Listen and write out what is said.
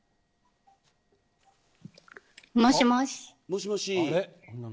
もしもし。